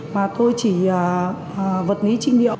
mà tôi chỉ vật lý trị liệu